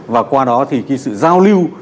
và qua đó thì cái sự giao lưu